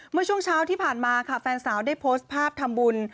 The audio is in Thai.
เมื่อช่วงเช้าที่ผ่านมาค่ะแฟนสาวได้โพสต์ภาพทำบุญ